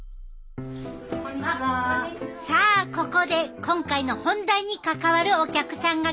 さあここで今回の本題に関わるお客さんが来たで。